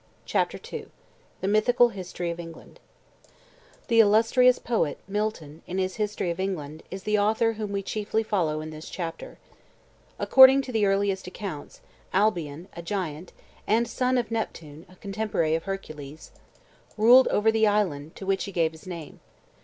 CHAPTER II THE MYTHICAL HISTORY OF ENGLAND The illustrious poet, Milton, in his "History of England," is the author whom we chiefly follow in this chapter. According to the earliest accounts, Albion, a giant, and son of Neptune, a contemporary of Hercules, ruled over the island, to which he gave his name.